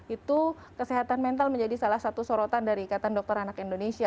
itu kesehatan mental menjadi salah satu sorotan dari ikatan dokter anak indonesia